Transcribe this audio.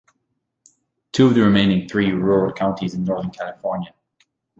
Two of the remaining three are rural counties in Northern California.